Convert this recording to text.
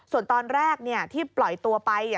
ส่วนตอนแรกที่ปล่อยตัวไป